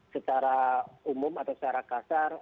secara umum atau secara kasar